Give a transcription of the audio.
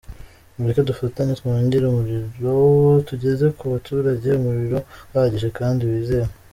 Mureke dufatanye twongere umuriro, tugeze ku baturage umuriro uhagije kandi wizewe.